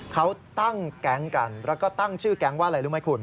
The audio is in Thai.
เขาตั้งแก๊งกันแล้วก็ตั้งชื่อแก๊งว่าอะไรรู้ไหมคุณ